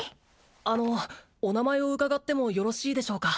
あのお名前を伺ってもよろしいでしょうか？